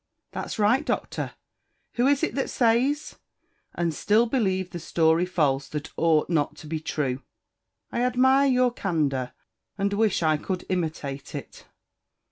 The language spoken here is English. "That's right, Doctor; who is it that says 'And still believe the story false that ought not to be true? I admire your candour, and wish I could imitate it."